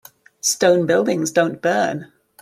Stone buildings don't burn.